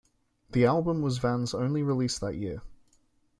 The album was Van's only release that year.